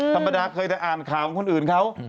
ธรรมดาเคยแต่อ่านข่าวของคนอื่นเขา